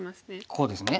こうですね。